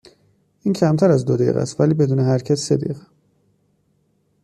این کمتر از دو دقیقه اس ولی بدون حرکت سه دقیقه